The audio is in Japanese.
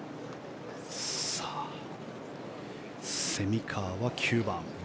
蝉川は９番。